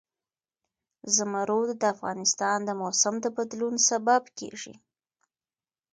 زمرد د افغانستان د موسم د بدلون سبب کېږي.